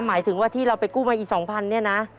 หมายถึงว่าที่เราไปกู้มาอีก๒๐๐เนี่ยนะ